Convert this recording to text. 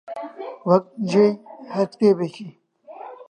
وەک جێی هەر کتێبێکی